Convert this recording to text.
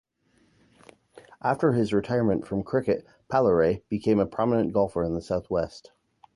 After his retirement from cricket, Palairet became a prominent golfer in the south-west.